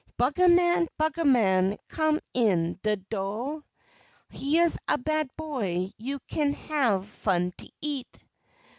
Buggah man, buggah man, come in de do', Hyeah's a bad boy you kin have fu' to eat.